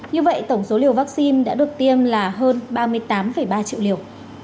như vậy tổng số liều vaccine đã được tiêm là hơn ba mươi tám ba triệu liều